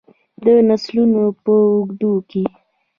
د نسلونو په اوږدو کې.